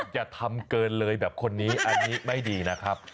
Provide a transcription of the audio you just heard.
อย่าทำเกินเลยแบบคนนี้อันนี้ไม่ดีนะครับ